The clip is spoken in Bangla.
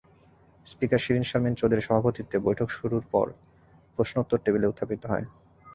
স্পিকার শিরীন শারমিন চৌধুরীর সভাপতিত্বে বৈঠক শুরুর পর প্রশ্নোত্তর টেবিলে উত্থাপিত হয়।